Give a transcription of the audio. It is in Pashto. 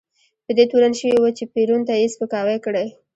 په دې تورن شوی و چې پېرون ته یې سپکاوی کړی.